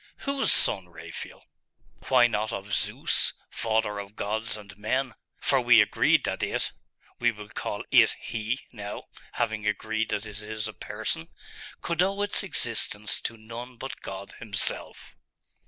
'Whose son, Raphael?' 'Why not of "Zeus, father of gods and men"? For we agreed that it we will call it he, now, having agreed that it is a person could owe its existence to none but God Himself.